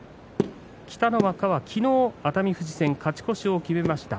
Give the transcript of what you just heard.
北の若は昨日熱海富士戦勝ち越しを決めました。